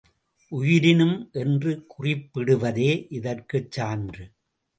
உயிரினும் என்று குறிப்பிடுவதே இதற்குச் சான்று.